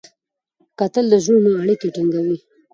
کتل د زړونو اړیکې ټینګوي